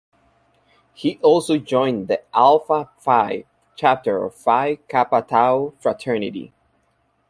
He also joined the Alpha Phi Chapter of Phi Kappa Tau Fraternity.